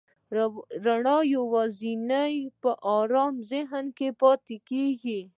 رڼا یواځې په آرام ذهن کې پاتې کېږي.